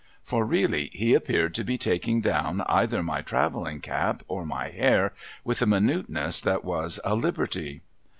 ' For, really, he appeared to be taking down, either my travelling cap or my hair, with a minuteness that was a liberty.